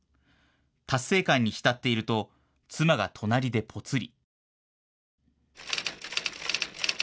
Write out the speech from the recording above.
達成感に浸っていると妻が隣で、ぽつり。